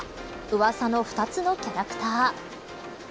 うわさの２つのキャラクター。